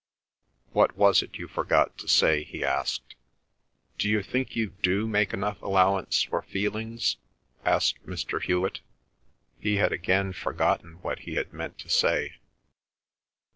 "What was it you forgot to say?" he asked. "D'you think you do make enough allowance for feelings?" asked Mr. Hewet. He had again forgotten what he had meant to say.